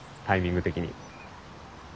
タイミング的に。